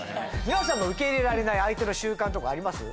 皆さんの受け入れられない相手の習慣とかあります？